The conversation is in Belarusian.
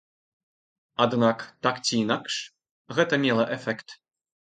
Аднак, так ці інакш, гэта мела эфект.